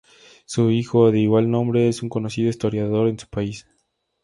Su hijo, de igual nombre, es un conocido historiador en su país.